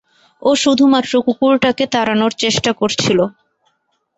ও শুধুমাত্র কুকুরটাকে তাড়ানোর চেষ্টা করছিল।